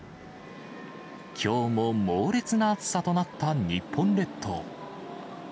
きょうも猛烈な暑さとなった日本列島。